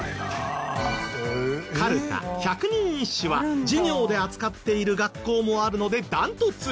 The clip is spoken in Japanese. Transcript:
かるた百人一首は授業で扱っている学校もあるので断トツ。